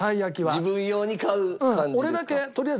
自分用に買う感じですか？